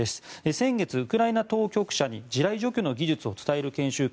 先月、ウクライナ当局者に地雷除去の技術を伝える研修会